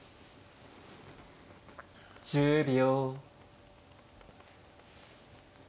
１０秒。